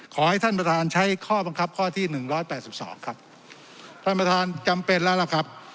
ขอให้ท่านประธานใช้ข้อบังคับข้อที่หนึ่งร้อยแปดสิบสองครับท่านประธานจำเป็นแล้วล่ะครับ